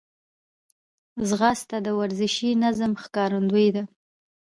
ځغاسته د ورزشي نظم ښکارندوی ده